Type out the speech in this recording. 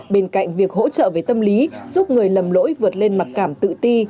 bên cạnh việc hỗ trợ về tâm lý giúp người lầm lỗi vượt lên mặc cảm tự ti